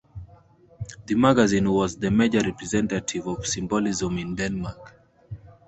The magazine was the major representative of symbolism in Denmark.